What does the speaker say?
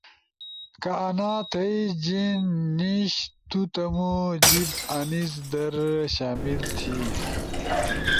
کا آنا تھئی جیِن نیِش نُو تمو جیب آنیس در شامل تھی۔